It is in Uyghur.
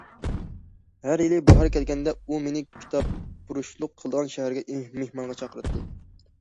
ھەر يىلى باھار كەلگەندە ئۇ مېنى كىتابپۇرۇشلۇق قىلىدىغان شەھەرگە مېھمانغا چاقىراتتى.